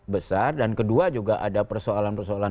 besar dan kedua juga ada persoalan persoalan